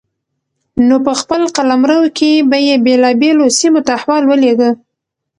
نو په خپل قلمرو کې به يې بېلابېلو سيمو ته احوال ولېږه